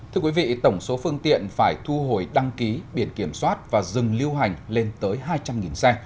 thưa quý vị tổng số phương tiện phải thu hồi đăng ký biển kiểm soát và dừng lưu hành lên tới hai trăm linh xe